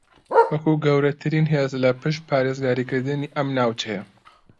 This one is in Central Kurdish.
وەکو گەورەترین ھێز لە پشت پارێزگاریکردنی ئەم ناوچەیە